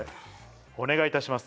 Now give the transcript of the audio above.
お願いいたします。